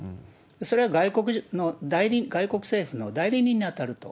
それは外国政府の代理人に当たると。